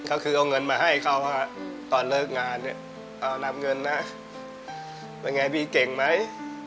ก็คือเอาเงินมาให้เขาตอนเลิกงานเนี่ยเอานำเงินนะเป็นไงพี่เก่งไหม